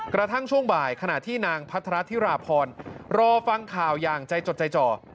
ช่วงบ่ายขณะที่นางพัทรธิราพรรอฟังข่าวอย่างใจจดใจจ่อ